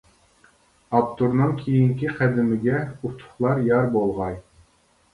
ئاپتورنىڭ كېيىنكى قەدىمىگە ئۇتۇقلار يار بولغاي.